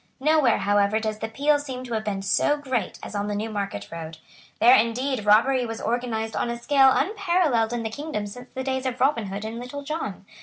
Nowhere, however, does the peal seem to have been so great as on the Newmarket road. There indeed robbery was organised on a scale unparalleled in the kingdom since the days of Robin Hood and Little John.